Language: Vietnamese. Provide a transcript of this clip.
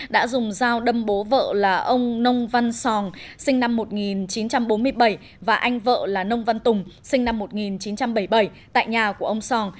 đã dùng dao đâm bố vợ là ông nông văn sòn sinh năm một nghìn chín trăm bốn mươi bảy và anh vợ là nông văn tùng sinh năm một nghìn chín trăm bảy mươi bảy tại nhà của ông sòn